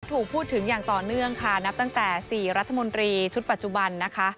ถูกพูดถึงอย่างต่อเนื่องค่ะนับตั้งแต่๔รัฐมนตรีชุดปัจจุบันนะคะ